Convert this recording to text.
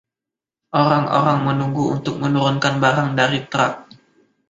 Orang-orang menunggu untuk menurunkan barang dari truk.